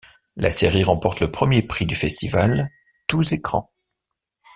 La série remporte le premier prix du Festival Tous Écrans.